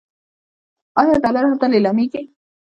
آیا ډالر هلته لیلامیږي؟